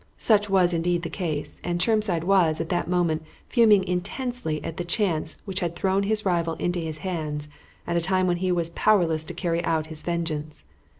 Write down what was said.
Such was indeed the case, and Chermside was, at that moment, fuming intensely at the chance which had thrown his rival in his hands at a time when he was powerless to carry out his vengeance.